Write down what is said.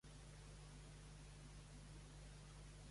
Cthulhu va tornar més tard.